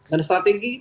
dan strategi itu